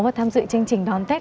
và tham dự chương trình đón tết